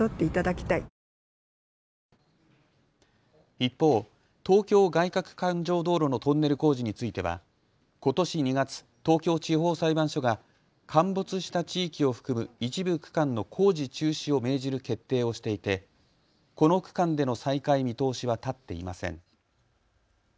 一方、東京外かく環状道路のトンネル工事についてはことし２月、東京地方裁判所が陥没した地域を含む一部区間の工事中止を命じる決定をしていてこの区間での再開見通しは立っていません。